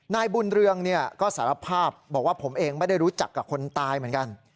นายบุญเรืองก็สารภาพบอกว่าผมเองไม่ได้รู้จักกับคนตายเหมือนกัน